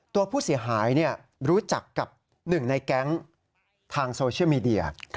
ตัวผู้เสียหายรู้จักกับหนึ่งในแก๊งทางโซเชียลมีเดีย